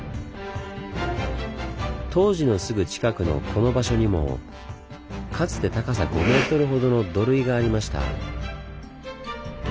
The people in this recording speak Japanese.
東寺のすぐ近くのこの場所にもかつて高さ５ｍほどの土塁がありました。